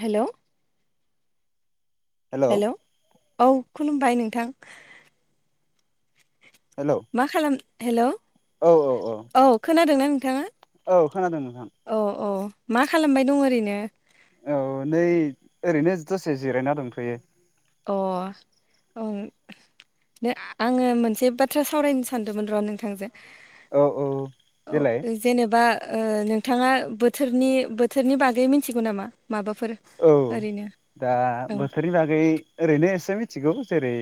हेल'। Hello hello औ खुलुमबाय नोंथां। हेलौ मा खालाम हेल' औ औ औ खोनादों ना नोंथाङा औ खोनादों नोंथां। औ औ मा खालामबाय दं ओरैनो। औ नै ओरैनो दसे जिरायना दंथ'यो। अ। ओं। आङो मोनसे बाथ्रा सावरायनो सानदोमोन र' नोंथांजों। औ औ औ देलाय जेनेबा ओ नोंथाङा बोथोरनि बोथोरनि बागै मिथिगौ नामा? माबाफोर औ ओरैनो दा औ बोथोरनि बागै ओरैनो एसे मिथिगौ जेरै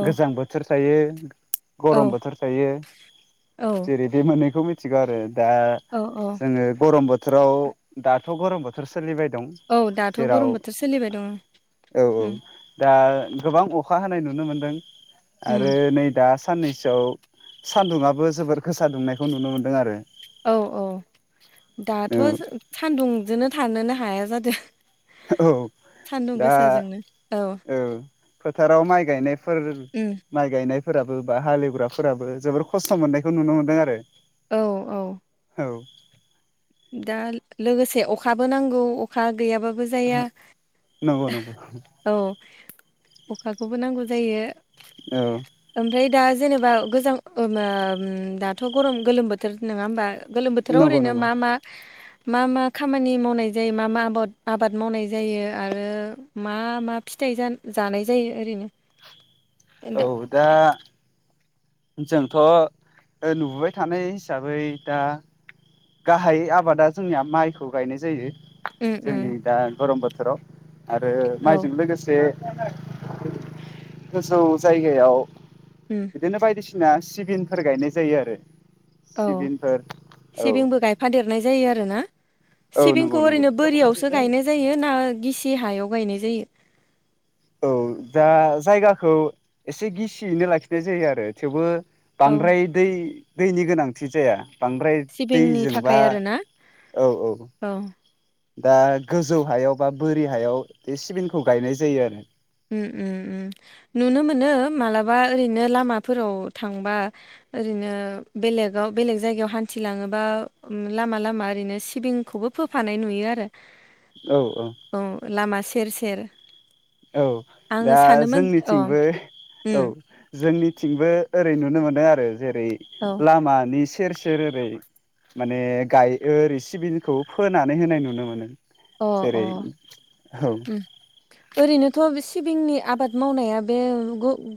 औ गोजां बोथोर थायो औ गरम बोथोर थायो औ जेरै बे मोननैखौ मिथिगो आरो दा औ औ जोङो गरम बोथोराव दाथ' गरम बोथोर सोलिबाय दं। औ दाथ' जेराव गरम बोथोर सोलिबाय दङ औ औ। उम दा गोबां अखा हानाय नुनो मोनदों उम आरो नै दा साननैसोआव सान्दुङाबो जोबोर गोसा दुंनायखौ नुनो मोन्दों आरो औ औ दाथ' औ सान्दुंजोनो थानोनो हाया जादो। औ दा औ फोथाराव माइ गायनायफोर उम माइ गायनाय फोराबो बा हालेवग्राफोराबो जोबोर खस्थ' मोननायखौ नुनो मोन्दों आरो औ औ औ दा लोगोसे अखाबो नांगौ अखा गैयाब्ला बो जाया नंगौ नंगौ औ अखाखौबो नांगौ जायो औ ओमफ्राय दा जेनेबा गोजां दाथ' गरम गोलोम बोथोर नङा होमबा? गोलोम बोथोराव नंगौ ओरैनो नंगौ मा मा मा मा खामानि मावनाय जायो मा मा आबाद आबाद मावनाय जायो आरो मा मा फिथाइ जानाय जायो ओरैनो? औ दा जोंथ' नुबोबाय थानाय हिसाबै दा गाहाय आबादा जोंनिया माइखौ गायनाय जायो उम जोंनि उम दा गरम बोथोराव आरो औ माइजों लोगोसे गोजौ जायगायाव उम बिदिनो बाय सिना सिबिनफोर गायनाय जायो आरो औ सिबिनफोर औ सिबिंबो गायफादेरनाय जायो आरोना औ नंगौ सिबिंखौ नंगौ ओरैनो बोरियावसो गायनाय जायो ना गिसि हायाव गायनाय जायो? औ दा जायगाखौ एसे गिसियैनो लाखिनाय जायो आरो थेवबो औ बांद्राय दै दैनि गोनांथि जाया। बांद्राय सिबिंनि दैजोंबा थाखाय आरोना औ औ दा गोजौ हायाव बा बोरि हायाव बे सिबिंखौ गायनाय जायो आरो उम उम उम नुनो मोनो मालाबा ओरैनो लामाफोराव थांबा ओरैनो बेलेकआव बेलेक जायगायाव हान्थि लाङोबा लामा लामा ओरैनो सिबिंखौबो फो फानाय नुयो आरो औ लामा सेर सेर औ आङो दा सानोमोन अ जोंनिथिंबो औ उम जोंनिथिंबो ओरै नुनो मोनदों आरो जेरै औ लामानि सेर सेर ओरै माने गायो ओरै सिबिंखौ फोनानै होनाय नुनो मोनो। अ अ जेरै औ उम ओरैनोथ' सिबिंनि आबाद मावनाया बे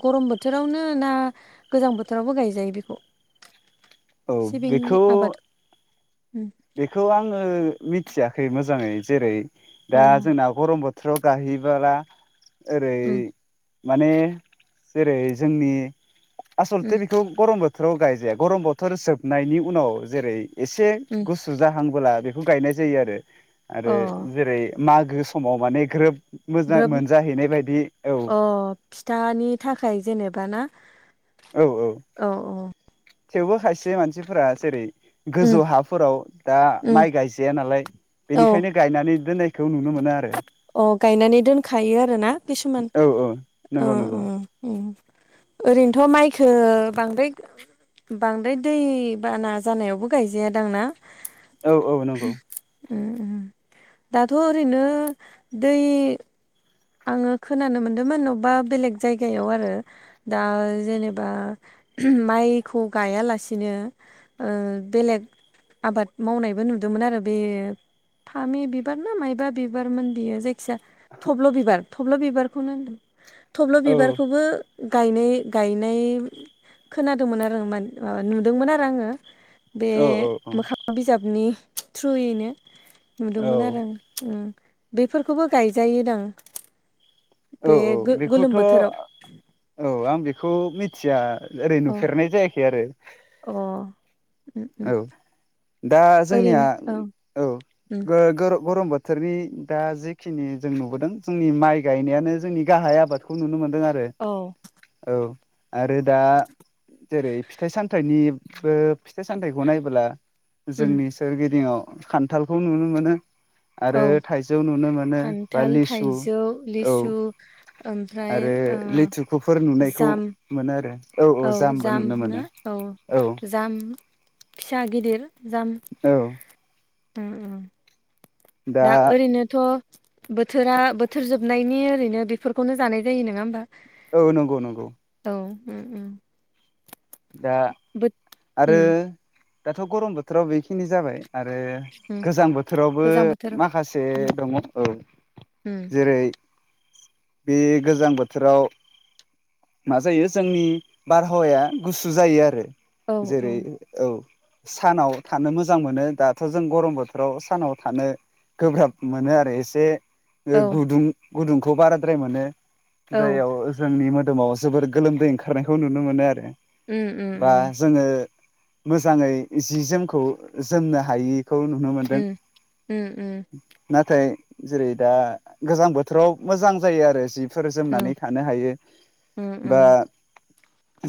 गरम बोथोरावनो ना गोजां बोथोरावबो गायजायो बेखौ औ सिबिंनि बेखौ आबाद बेखौ आङो मिथियाखै मोजाङै जेरै अ दा जोंना गरम बोथोर बोथ्राव गाहायहैबोला ओरै उम माने जेरै जोंनि उम आसलथे बेखौ गरम बोथोर बोथोराव गायजाया गरम बोथोर जोबनायनि उनाव जेरै एसे उम गुसु जाहांबोला बे खौ गायनाय जायो आरो अ आरो जेरै मागो समाव माने ग्रोब मोजां ग्रोब मोनजाहैनाय बायदि औ अ फिथानि थाखाय जेनेबाना? औ औ। थेवबो खायसे मानसि फोरा जेरै उम गोजौ हाफोराव दा उम माइ गायजाया नालाय औ बेनिखायनो गायनानै दोननायखौ नुनो मोनो आरो अ गायनानै दोनखायो आरो ना किसुमान औ औ नंगौ उम नंगौ उम उम ओरैनोथ' माइखौ बांद्राय बांद्राय दैबाना जानायावबो गायजायादां ना? औ औ नंगौ। उम उम दाथ' ओरैनो दै आंओ खोनानो मोनदोंमोन अबेबा बेलेग जायगायाव आरो दा जेनेबा माइखौ गायालासिनो ओ बेलेग आबाद मावनायबो नुदोंमोन आरो बे फामि बिबार ना मायबा बिबारमोन बियो जाय सा थब्ल' बि थब्ल' बिबारखौनो होनदों, थब्ल' औ बिबारखौबो गायनाय गायनाय खोनादोंमोन आरो मा नुदोंमोन आरो आङो बे औ औ मोखां बिजाबनि थ्रुयैनो औ नुदोंमोन आरो आं उम‌। बेफोरखौबो गायजायोदां, औ बे औ गोलोम बेखौथ' बोथोराव औ आं बेखौ मिथिया ओरै अ नुफेरनाय जायाखै आरो उम उम औ दा जोंनिया ओरैनो औ औ उम ग-ग-गरम बो- थोरनि दा जिखिनि जों नुबोदों जोंनि माइ गायनायानो जोंनि गाहाय आबादखौ नुनो मोन- दों आरो औ। आरो दा जेरै फिथाइ सामथाइनिबो फिथाइ सामथायाइखौ नायबोला उम जोंनि सोरगिदिंआव खान्थालखौ नुनो मोनो औ आरो थाइजौ नुनो मोनो बा खान्थाल लिसु थाइजौ औ लिसु ओमफ्राय आरो ओ लेथुखुफोर नुनायखौ जाम मोनो आरो औ औ जामबो नुनो मोनो औ। जाम फिसा गिदिर जाम औ उम उम दा ओरैनोथ' बोथोरा बोथोर जोबनायनि ओरैनो बेफोरखौनो जानाय जायो नोङा होमबा? औ नंगौ नंगौ। औ उम उम। दा बो आरो उम दाथ' गरम बोथोराव बेखिनि जाबाय आरो उम गोजां बोथोरावबो गोजां बोथोर माखासे उम दङ' औ। उम जेरै- बे गोजां बोथोराव मा जायो जोंनि बारहावाया गुसु जायो आरो, औ औ जेरै औ सानाव थानो मोजां मोनो दाथ' जों गरम बोथोराव सानाव थानो गोब्राब मोनो आरो एसे औ गुदुं गुदुंखौ बाराद्राय मोनो औ जाययाव जोंनि मो दोरोमाव जोबोर गोलोमदै ओंखारनायखौ नुनो मोनो आरो उम उम बा उम जोङो मोजाङै जि जोमखौ जोमनो हायि- खौ नुनो मोनदों उम उम नाथाय जेरै दा गोजां बोथोराव मोजां जायो आरो जि- फोर जोमनानै उम थानो हायो उम बा उम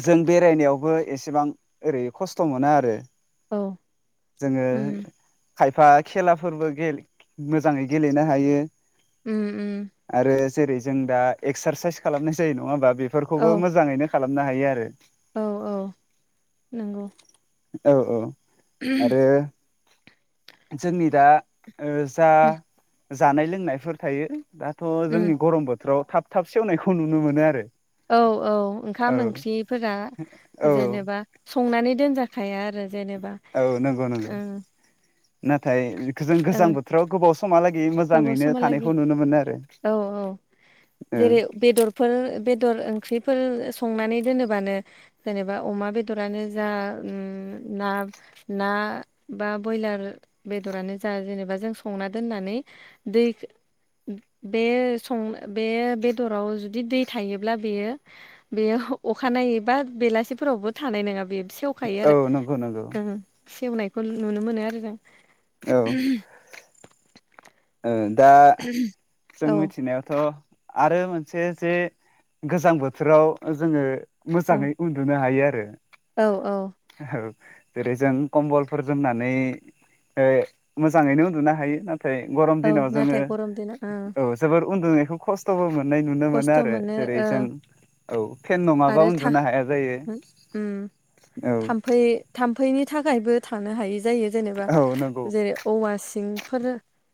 जों बेरायनायावबो एसेबां ओरै खस्थ' मोना आरो। औ जोङो उम खायफा खेलाफोरबो गे मोजाङै गेलेनो हायो। उम उम। आरो जेरै जों दा एक्सारसाइस खालामनाय जायो नङा होमबा औ बेफोरखौबो मोजाङैनो खालामनो हायो आरो। औ औ नोंगौ। औ औ आरो जोंनि दा ओ जा उम जानाय लोंनायफोर थायो दाथ' उम जोंनि गरम बो- फथोराव थाब थाब सेवनायखौ नुनो मोनो आरो। औ औ ओंखाम औ ओंख्रिफोरा औ जेनेबा संनानै दोनजा- खाया आरो जेनेबा औ नंगौ नंगौ ओं। नाथाय बेखौ जों गोजां ओं बोथोराव गोबाव समहालागि गोबाव मोजाङैनो समहालागै थानायखौ नुनो मोनो आरो। औ औ औ जेरै बेदरफोर बेदर ओंख्रिफोर संनानै दोनोबानो जेनेबा अमा बेदरानो जा, उम ना ना ना बा ब्रयलार बेदरानो जा जेनेबा जों संना दोननानै दै- बे सं बे बेदराव जुदि दै थायोब्ला बेयो बेयो अखानायै बा बेलासिफोरावबो थानाय नोङा बे सेवखायो औ नंगौ नंगौ आरो। सेवनायखौ नुनो मोनो आरो जों। औ। ओ दा जों औ मिथिनायावथ'। आरो मोनसे जे गोजां बोथोराव जोङो। मोजाङै उन्दुनो हायो आरो। औ-औ। औ जेरै- जों कम्बलफोर जोमनानै ओ मोजाङैनो उन्दुनो हायो नाथाय। गरम औ दिनाव जोङो नाथाय गरम दिनाव ओं औ जोबोर उन्दुनायखौ खस्थ'बो मो नाय नुनो मोनो खस्थ' आरो ओ जेरै- जों। औ फेन नङाबा आरो उन्दुनो हाया जायो। औ थामफै-थामफैनि। थाखायबो थानो हायि जायो जेनेबा औ नंगौ जेरै- औवासिं। फोर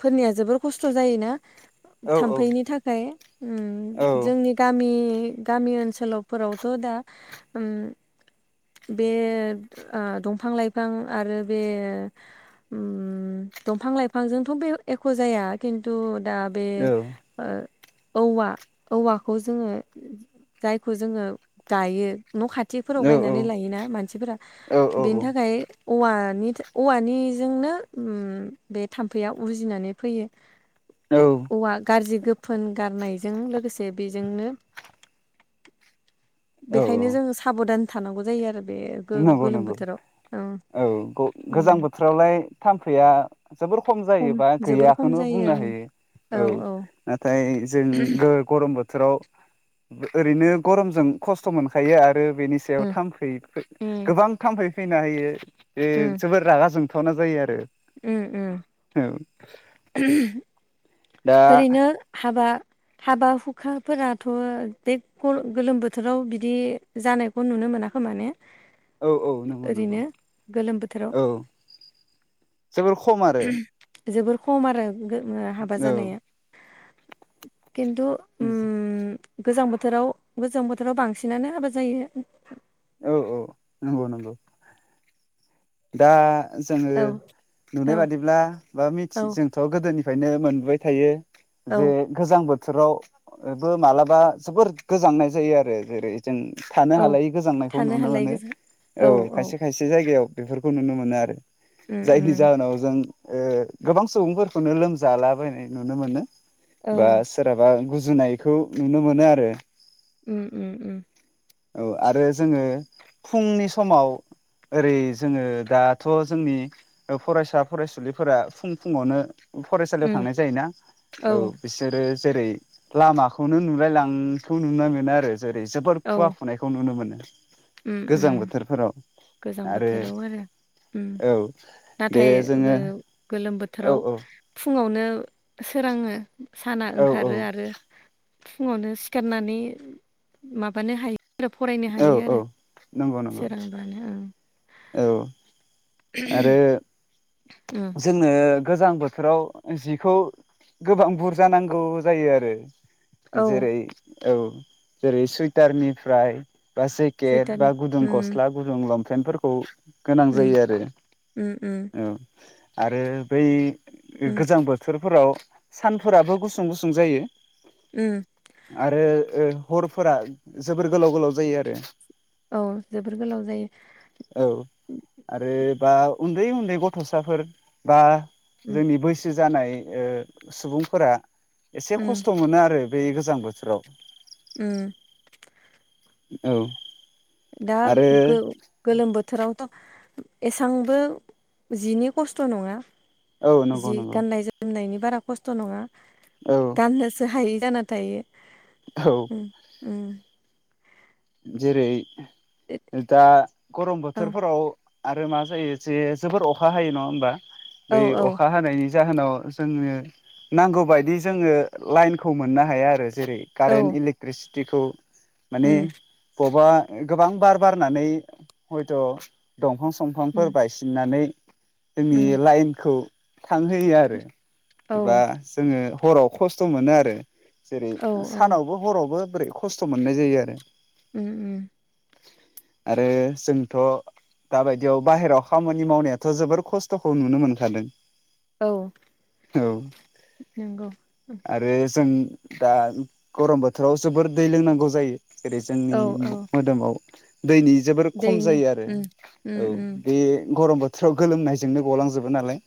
फोरनिया जोबोर खस्थ' जायोना औ औ थाम्फैनि थाखाय। उन औ जोंनि गामि। गामि ओनसोलावफोरावथ' दा होम। बे ओ दंफां-लाइफां आरो बे। उम दंफां लाइफांजोंथ' बे एख' जाया खिन्थु। दा बे औ ओ। औवा औवाखौ जोङो जायखौ जोङो गायो। न' खाथिफोराव गायनानै लायोना मानसिफोरा औ बेनि थाखाय। औवानिथो औवानिजोंनो बे थाम्फैया उजिनानै फैयो। औ औवा गारजि गोफोन। गारनायजों लोगोसे बेजोंनो। औ बेखायनो जों साबधान थानांगौ जायो आरो। बे गो-गोलोम नंगौ-नंगौ बोथोराव औ ग उम गोजां बोथोरावलाय थाम्फैया जोबोर। खम जायोबा जोबोर खम गैयाखोनो जायो बुंनो हायो। औ नाथाय जों गोर गरम बोथ थोराव ओरैनो गरमजों खस्थ' मोनखायो आरो बेनि सायाव उम थाम्फै। उम गोबां थाम्फै फैनो हायो बे जोबोर रागा जोंथावना जायो आरो। उम-उम औ दा ओरैनो हा हाबा। हाबा हुखाफोराथ' देक गल गगोलोम बोथोराव बिदि जानायखौ नुनो मोना। खोमाने। औ-औ नोंगौ-नोंगौ गोलोम बोथोराव औ। जोबोर खम आरो। जोबोर खम आरो गो हाबा औ जानाया। खिन्थु उम। गोजां बोथोराव गोजां बोथोराव बांसिनानो हाबा जायो। औ-औ नोंगौ-नोंगौ। दा जोङो औ नुनाय औ बादिब्ला बा मिथि औ जोंथ' गोदोनि। फ्रायनो मोनबोबाय थायो औ जे गोजां बो थोरावबो मालाबा जोबोर गोजांनाय जायो आरो जेरै-। जों थानो औ हालायै गोजांनायखौ थानो नुनो हालाय मोनो गोजा औ खायसे खायसे जायगायाव। बेफोरखौ नुनो मोनो आरो उम उम जायनि जाहोनाव जों। ओ गोबां सुबुंफोरखौनो लोमजालाबायनाय नुनो मोनो औ बा सोरहाबा गुज जुनायखौ नुनो मोनो आरो। उम-उम-उम। औ आरो जोङो फुंनि समाव ओरै जोङो दाथ' जोंनि फरायसा फरायसुलिफोरा फुं फुङावनो फरायसालियाव उम थांनाय जायोना औ बिसोरो जेरै लामाखौनो नुलायलांखौ नुनो मोनो आरो जेरै जोबद खुवा खुनायखौ नुनो मोनो ओम गोजां ओम बोथोरफोराव गोजां बोथोराव आरो ओम औ दे नाथाय जोङो गोलोम औ बोथोराव औ फुङावनो सोराङो साना औ ओंखारो आरो फुङावनो सिखारनानै माबानो हायो आरो फरायनो औ हायो औ आरो नंगौ नंगौ सोरांबानो ओं औ आरो उम जोङो गोजां बोथोराव जिखौ गोबां बुरजा नांगौ जायो आरो औ जेरै औ जेरै सुइटारनिफ्राय बा जेकेट बा सुइटारनि गुदुं उम गस्ला गुदुं लंपेन्ट फोरफोरखौ गोनां उम जायो आरो उम उम औ आरो बै उम गोजां बोथोरफोराव सानफोराबो गुसुं गुसुं जायो उम आरो हरफोरा जोबोर गोलाव गोलाव जायो आरो औ जोबोर गोलाव जायो औ आरो बा उन्दै उन्दै गथ'साफोर बा उम जोंनि बैसो जानाय ओ सुबुंफोरा एसे उम खस्थ' मोनो आरो बे गोजां बोथोराव ओम औ दा आरो गो-गोलोम बोथोराव एसांबो जिनि खस्थ' नङा औ नंगौ जि नंगौ गाननाय जोमनायनि बारा खस्थ' नङा औ गाननोसो हायै जाना औ ओम जेरै दा गरम औ बोथोरफोराव आरो मा जायो जे जोबोर अखा हायो नङा होमबा औ बै औ अखा हानायनि जाहोनाव जोंनो नांगौ बायदि जोङो लाइनखौ मोननो हाया आरो जेरै औ कारेन्ट इलेक्ट्रिसिटिखौ माने उम बबेबा गोबां बार बारनानै हयथ' दंफां उम संफांफोर बायसिननानै जोंनि उम लाइनखौ थांहोयो आरो औ एबा जोङो हराव खस्थ' मोनो आरो जेरै औ औ सानावबो हरावबो बोरै खस्थ' मोननाय जायो आरो ओम ओम आरो जोंथ' दाबायदियाव बाहेरायाव खामानि मावनायाथ' जोबोर खस्थ'खौ नुनो मोनखादों औ औ नंगौ आरो जों दा गरम बोथोराव जोबोर दै लोंनांगौ जायो जेरै जोंनि औ औ मोदोमाव दैनि जोबोर खम दैनि जायो आरो उम उम औ उम बे गरम बोथोर थोराव गोलोमनायजोंनो गलांजोबो नालाय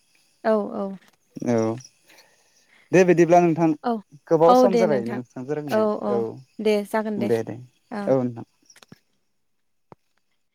औ औ औ दे बिदि ब्ला नोंथां औ गोबाव औ सम दे जाबाय नोंथां नोंथांजों रायनाया औ दे जागोन दे दे औ नोंथां